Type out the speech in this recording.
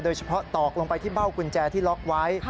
ตอกลงไปที่เบ้ากุญแจที่ล็อกไว้